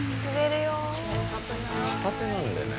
片手なんだよね。